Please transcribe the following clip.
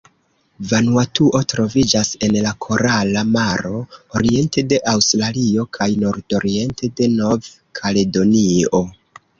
Vanuatuo troviĝas en la Korala Maro, oriente de Aŭstralio kaj nordoriente de Nov-Kaledonio.